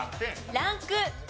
ランク３。